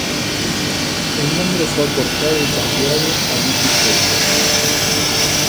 El nombre fue acortado y cambiado a Liquid Paper.